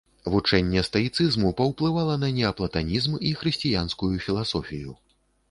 Вучэнне стаіцызму паўплывала на неаплатанізм і хрысціянскую філасофію.